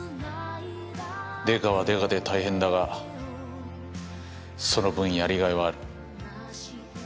刑事は刑事で大変だがその分やりがいはある。